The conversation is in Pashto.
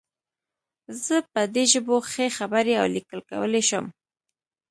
زه په دې ژبو ښې خبرې او لیکل کولی شم